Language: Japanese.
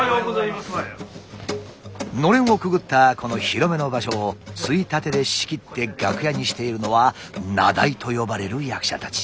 のれんをくぐったこの広めの場所をついたてで仕切って楽屋にしているのは名題と呼ばれる役者たち。